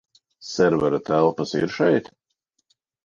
Servera telpas ir šeit?